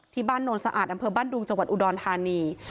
ที่บ้านหน่วนสะอาดดำเภอบ้านดูงจอุดรธานี